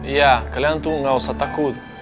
iya kalian tuh gak usah takut